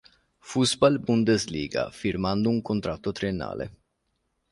Fußball-Bundesliga firmando un contratto triennale.